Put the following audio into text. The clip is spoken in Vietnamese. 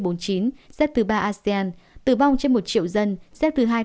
tử vong trên một triệu dân xếp thứ hai mươi bốn trên bốn mươi chín quốc gia vùng lãnh thổ châu á xếp thứ bốn asean